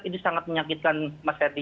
itu sangat menyakitkan mas fetty